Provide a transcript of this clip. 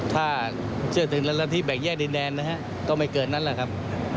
ถ้าเชื่อถึงละละที่แบกแยกดินแดนนะครับก็ไม่เกิดนั้นแหละครับ